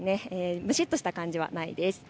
蒸しっとした感じはないです。